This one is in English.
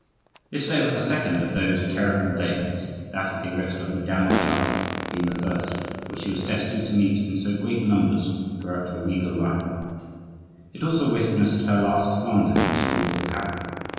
This day was the second of those terrible days (that of the arrest of the Vidame of Chartres being the first) which she was destined to meet in so great numbers throughout her regal life; it also witnessed her last blunder in the school of power.